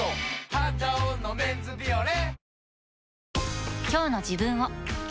「肌男のメンズビオレ」